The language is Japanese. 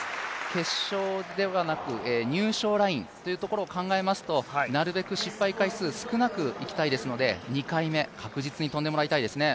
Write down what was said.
決勝ではなく入賞ラインをいうところを考えますとなるべく失敗回数を少なくいきたいですので２回目、確実に跳んでもらいたいですね。